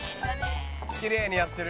「きれいにやってる」